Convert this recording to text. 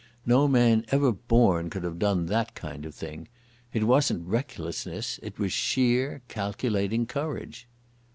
No man ever born could have done that kind of thing. It wasn't recklessness. It was sheer calculating courage.